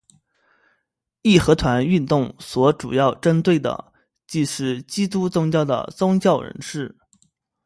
义和团运动所主要针对的即是基督宗教的宗教人士。